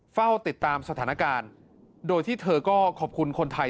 เฝ้าติดตามสถานการณ์โดยที่เธอก็ขอบคุณคนไทย